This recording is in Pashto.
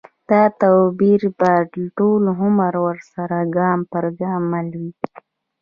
دا تدبیر به ټول عمر ورسره ګام پر ګام مل وي